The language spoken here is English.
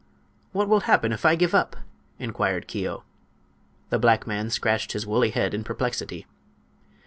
"What will happen if I give up?" inquired Keo. The black man scratched his woolly head in perplexity.